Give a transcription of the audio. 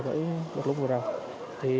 với lúc lúc vừa rồi